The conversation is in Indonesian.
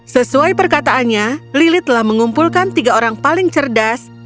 sesuai perkataannya lili telah mengumpulkan tiga orang paling cerdas